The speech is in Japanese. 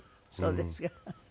そうですか。